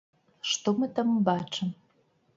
Што мы там бачым?